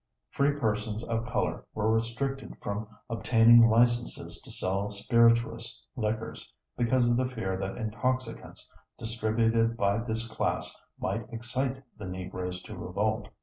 Free persons of color were restricted from obtaining licenses to sell spirituous liquors, because of the fear that intoxicants distributed by this class might excite the Negroes to revolt.